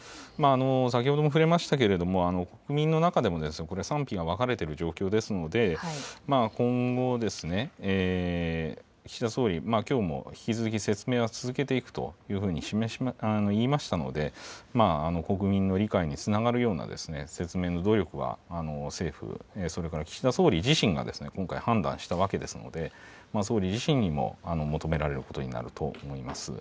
先ほども触れましたけれども、国民の中でもこれは賛否が分かれている状況ですので、今後、岸田総理、きょうも引き続き説明は続けていくというふうに言いましたので、国民の理解につながるような説明の努力は政府、それから岸田総理自身が今回、判断したわけですので、総理自身にも求められることになると思います。